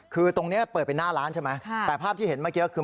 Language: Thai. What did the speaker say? คือตรงนี้เปิดเป็นหน้าร้านใช่ไหมแต่ภาพที่เห็นเมื่อกี้คือ